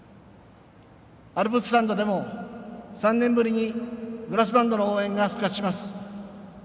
アルプススタンドでも３年ぶりにブラスバンドの応援が復活します。